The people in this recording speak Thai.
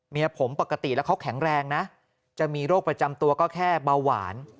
เมียผมปกติแล้วเขาแข็งแรงนะจะมีโรคประจำตัวก็แค่เบาหวาน